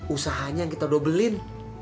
usahanya yang kita dobelin